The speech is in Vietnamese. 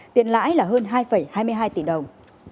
tiền lãi là hơn hai hai mươi hai tỷ đồng